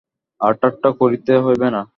আর ঠাট্টা করিতে হইবে না।